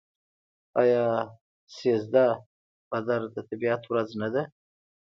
آیا سیزده بدر د طبیعت ورځ نه ده؟